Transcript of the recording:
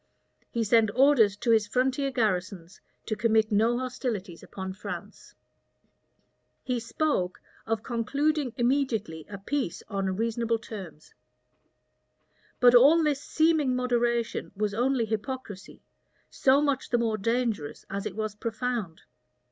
He sent orders to his frontier garrisons to commit no hostilities upon France. * Vera. Hist. de Carl. V. He spoke of concluding immediately a peace on reasonable terms. But all this seeming moderation was only hypocrisy, so much the more dangerous as it was profound.